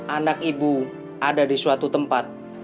anak ibu ada di suatu tempat